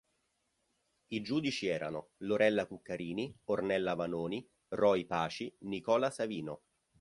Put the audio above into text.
I giudici erano: Lorella Cuccarini, Ornella Vanoni, Roy Paci, Nicola Savino.